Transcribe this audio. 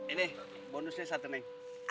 ini bonusnya satu nih